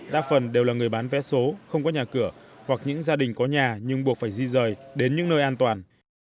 đa phần đều là người bán vé số không có nhà cửa hoặc những gia đình có nhà nhưng buộc phải di rời đến những nơi an toàn